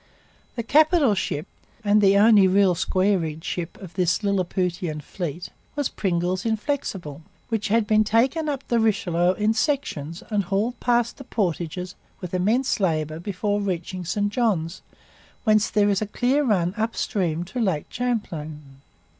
The capital ship (and the only real square rigged 'ship') of this Lilliputian fleet was Pringle's Inflexible, which had been taken up the Richelieu in sections and hauled past the portages with immense labour before reaching St Johns, whence there is a clear run upstream to Lake Champlain.